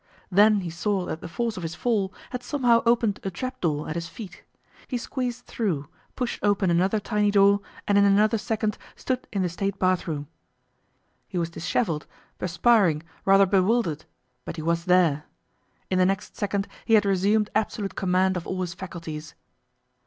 Then he saw that the force of his fall had somehow opened a trap door at his feet. He squeezed through, pushed open another tiny door, and in another second stood in the State bathroom. He was dishevelled, perspiring, rather bewildered; but he was there. In the next second he had resumed absolute command of all his faculties.